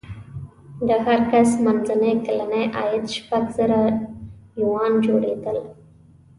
د هر کس منځنی کلنی عاید شپږ زره یوان جوړېدل.